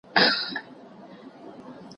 زه اوږده وخت د سبا لپاره د يادښتونه ترتيب کوم!